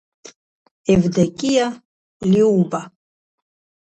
Евдокиа, Лиуба…